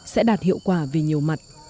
sẽ đạt hiệu quả vì nhiều mặt